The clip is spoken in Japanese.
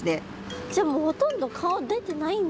じゃあもうほとんど顔出てないんだ。